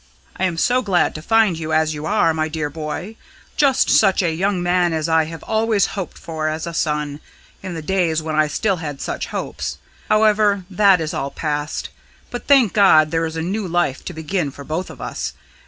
"I am so glad to find you as you are, my dear boy just such a young man as I had always hoped for as a son, in the days when I still had such hopes. However, that is all past. But thank God there is a new life to begin for both of us.